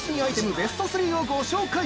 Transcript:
ベスト３をご紹介！